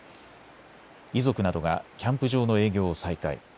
遺族などがキャンプ場の営業を再開。